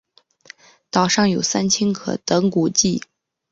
岛上有三清阁等古迹。